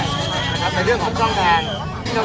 ในเรื่องของช่องทาง